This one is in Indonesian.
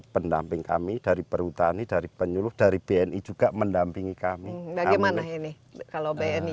pendamping kami dari perhutani dari penyuluh dari bni juga mendampingi kami amanah ini kalau bni